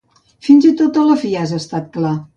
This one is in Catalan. Fins i tot a la fi has estat clar.